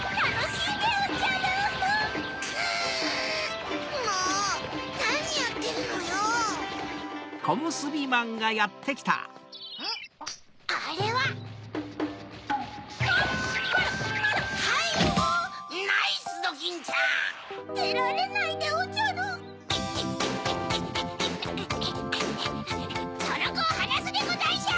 そのコをはなすでござんしゅ！